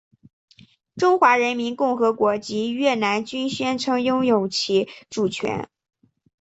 中华人民共和国及越南均宣称拥有其主权。